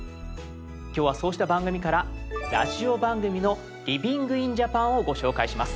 今日はそうした番組からラジオ番組の「ＬｉｖｉｎｇｉｎＪａｐａｎ」をご紹介します。